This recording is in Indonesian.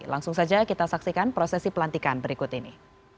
langsung saja kita saksikan prosesi pelantikan berikut ini